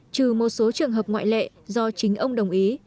trừ một số trường hợp ngoại lệ do chính ông đồng ý